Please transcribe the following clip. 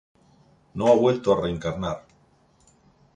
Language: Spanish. No ha vuelto a reencarnar.